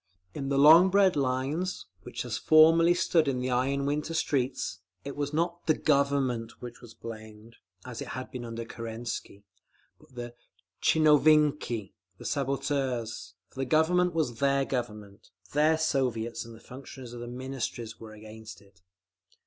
In the long bread lines, which as formerly stood in the iron winter streets, it was not the Government which was blamed, as it had been under Kerensky, but the tchinovniki, the sabotageurs; for the Government was their Government, their Soviets—and the functionaries of the Ministries were against it….